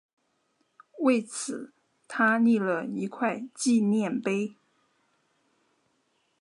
为此他立了一块纪念碑。